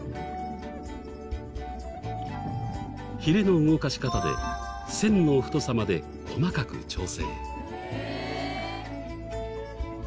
ヒレの動かし方で線の太さまで細かく調整。